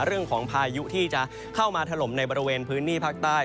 พายุที่จะเข้ามาถล่มในบริเวณพื้นที่ภาคใต้